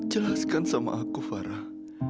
jelaskan sama aku farah